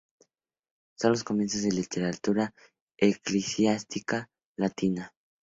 Son los comienzos de la literatura eclesiástica latina.